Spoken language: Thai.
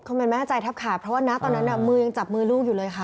คนมันแม่ใจครับค่ะเพราะว่าน่ะตอนนั้นอ่ะมือยังจับมือลูกอยู่เลยค่ะ